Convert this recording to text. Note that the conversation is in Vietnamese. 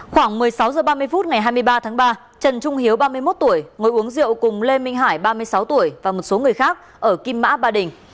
khoảng một mươi sáu h ba mươi phút ngày hai mươi ba tháng ba trần trung hiếu ba mươi một tuổi ngồi uống rượu cùng lê minh hải ba mươi sáu tuổi và một số người khác ở kim mã ba đình